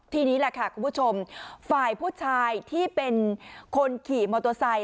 ทีนี้แหละค่ะคุณผู้ชมฝ่ายผู้ชายที่เป็นคนขี่มอเตอร์ไซค